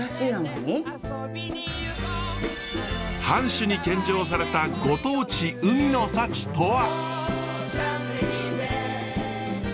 藩主に献上されたご当地海の幸とは？